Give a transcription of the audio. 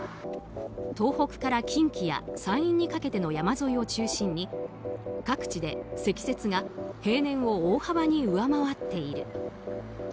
東北から近畿や山陰にかけての山沿いを中心に各地で積雪が平年を大幅に上回っている。